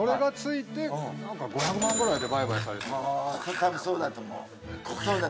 多分そうだと思う。